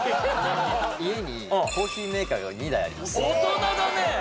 家にコーヒーメーカーが２台あります大人だね！